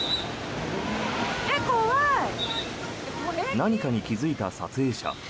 何かに気付いた撮影者。